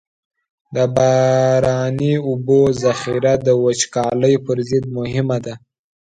د باراني اوبو ذخیره د وچکالۍ پر ضد مهمه ده.